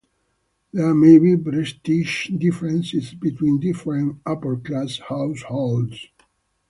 There may be prestige differences between different upper-class households.